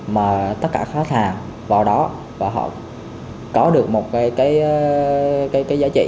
mà tất cả khách hàng vào đó và họ có được một cái giá trị